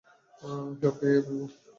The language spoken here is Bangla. সব খেয়ে ফেলো।